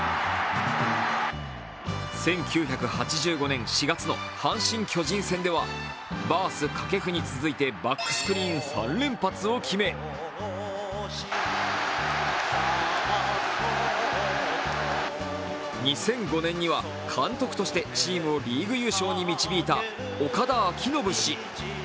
１９８５年４月の阪神×巨人戦ではバース、掛布に続いてバックスクリーン３連発を決め２００５年には監督としてチームをリーグ優勝に導いた岡田彰布氏。